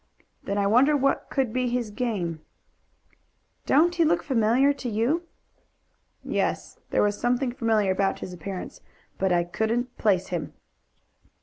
"Then I wonder what could be his game." "Don't he look familiar to you?" "Yes; there was something familiar about his appearance, but I couldn't place him."